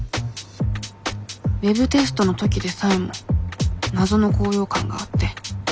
ウェブテストの時でさえも謎の高揚感があって。